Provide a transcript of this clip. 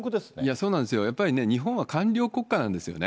そうなんですよ、やっぱり日本は官僚国家なんですよね。